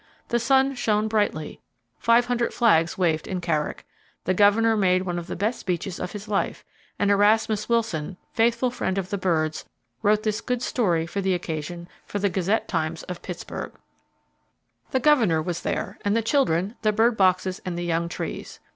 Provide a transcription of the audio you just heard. The sun shone brightly, 500 flags waved in Carrick, the Governor made one of the best speeches of his life, and Erasmus Wilson, faithful friend of the birds, wrote this good story of the occasion for the Gazette Times of Pittsburgh: The Governor was there, and the children, the bird boxes, and the young trees.